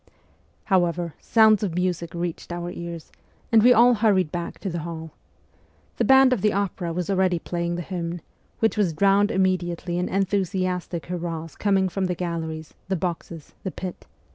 However, sounds of music reached our ears, and we all hurried back to the hall. The band of the opera was already playing the hymn, which was drowned immediately in enthusiastic hurrahs coming from the galleries, the boxes, the pit.